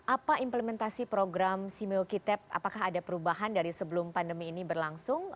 apa implementasi program simeokitab apakah ada perubahan dari sebelum pandemi ini berlangsung